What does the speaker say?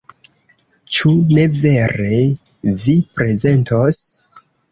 Ĉu ne vere, vi prezentos?